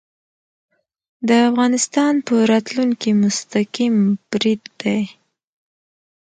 د افغانستان په راتلونکې مستقیم برید دی